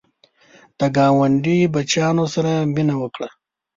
د ګاونډي بچیانو سره مینه وکړه